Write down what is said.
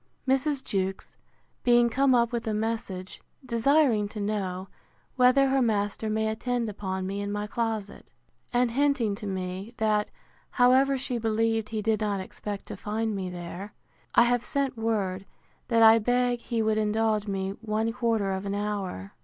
Mrs. Jewkes being come up with a message, desiring to know, whether her master may attend upon me in my closet; and hinting to me, that, however, she believed he did not expect to find me there; I have sent word, that I beg he would indulge me one quarter of an hour.